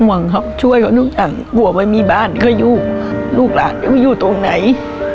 หวังเขาช่วยเขาทุกอย่างหัวไปมีบ้านเขาอยู่ลูกหลานเขาอยู่ตรงไหน